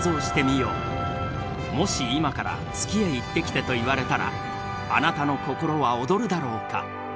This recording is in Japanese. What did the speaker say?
もし「今から月へ行ってきて」と言われたらあなたの心は躍るだろうか？